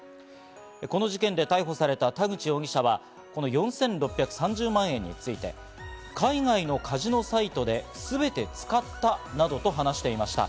この事件で逮捕された田口容疑者は、この４６３０万円について海外のカジノサイトで全て使ったなどと話していました。